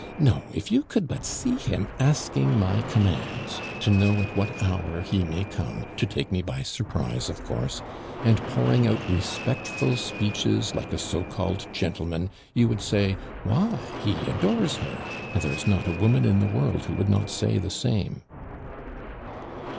No, if you could but see him asking my commands, to know at what hour he may come to take me by surprise, of course and pouring out respectful speeches like a so called gentleman, you would say, 'Why, he adores her!' and there is not a woman in the world who would not say the same."